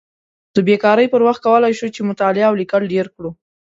د بیکارۍ پر وخت کولی شو چې مطالعه او لیکل ډېر کړو.